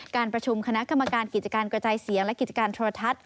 การประชุมคณะกรรมการกิจการกระจายเสียงและกิจการโทรทัศน์